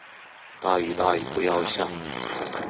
大雨大雨不要下